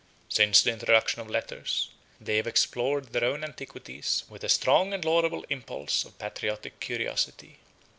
17 Since the introduction of letters, they have explored their own antiquities with a strong and laudable impulse of patriotic curiosity.